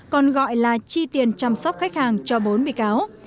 còn gọi là chi tiền chăm sóc khách hàng cho bốn bị cáo